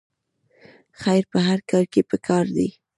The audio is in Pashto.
خیر په هر کار کې پکار دی